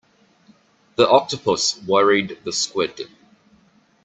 The octopus worried the squid.